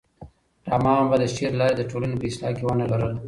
رحمان بابا د شعر له لارې د ټولنې په اصلاح کې ونډه لرله.